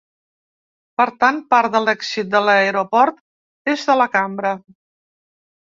Per tant, part de l’èxit de l’aeroport és de la cambra.